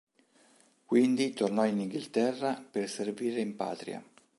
Quindi tornò in Inghilterra per servire in patria.